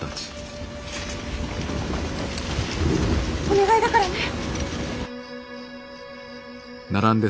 お願いだからね！